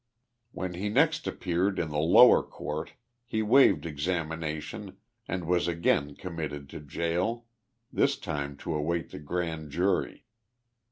When lie next appeared in the lower court he waived examination and was again committed to jail ; this time to await the Grand Jury.